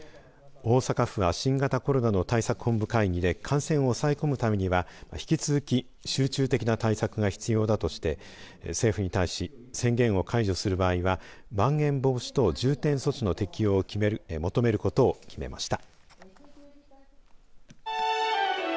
大阪府は新型コロナの対策本部会議で感染を抑え込むためには引き続き集中的な対策が必要だとして政府に対し宣言を解除する場合はまん延防止等重点措置の適用を求めることを決めました。